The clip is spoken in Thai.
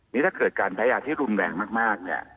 นี่ถ้าเกิดการแพ้ยาที่รุนแรงมากเนี่ย